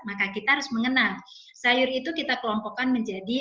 maka kita harus mengenal sayur itu kita kelompokkan menjadi